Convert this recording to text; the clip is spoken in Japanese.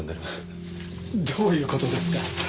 どういう事ですか？